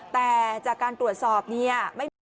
แต่จากการตรวจสอบเนี่ย